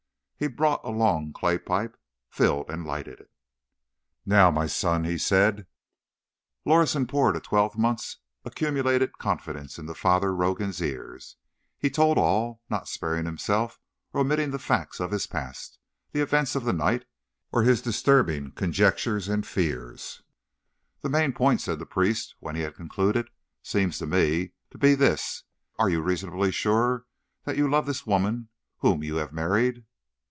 He brought a long clay pipe, filled and lighted it. "Now, my son," he said. Lorison poured a twelve month's accumulated confidence into Father Rogan's ear. He told all; not sparing himself or omitting the facts of his past, the events of the night, or his disturbing conjectures and fears. "The main point," said the priest, when he had concluded, "seems to me to be this—are you reasonably sure that you love this woman whom you have married?"